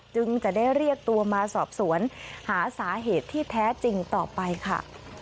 จึงจะได้เรียกตัวมาสอบสวนหาสาเหตุที่แท้จริงต่อไปค่ะ